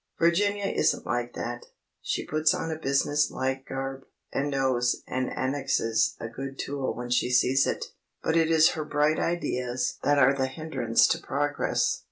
Virginia isn't like that; she puts on a business like garb, and knows—and annexes—a good tool when she sees it. But it is her bright ideas that are the hindrance to progress.